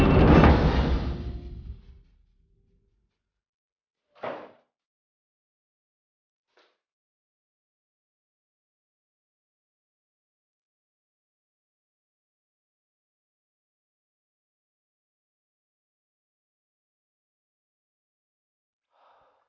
sampai jumpa di video selanjutnya